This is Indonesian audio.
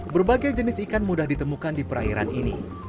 berbagai jenis ikan mudah ditemukan di perairan ini